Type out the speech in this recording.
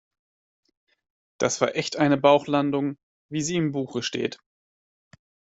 Das war echt eine Bauchlandung, wie sie im Buche steht.